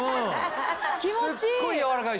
気持ちいい！